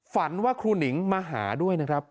ฝันว่าครูหนิงมาหาด้วยนะครับ